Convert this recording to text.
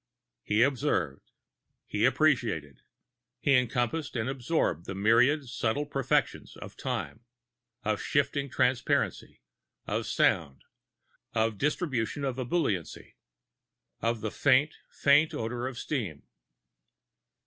He observed. He appreciated. He encompassed and absorbed the myriad subtle perfections of time, of shifting transparency, of sound, of distribution of ebulliency, of the faint, faint odor of steam.